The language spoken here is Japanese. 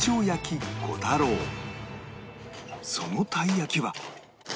そのたい焼きは